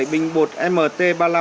sáu mươi bảy bình bột mt ba mươi năm